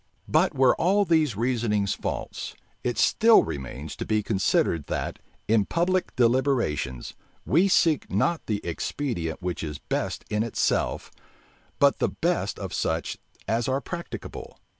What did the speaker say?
But were all these reasonings false, it still remains to be considered that, in public deliberations, we seek not the expedient which is best in itself, but the best of such as are practicable.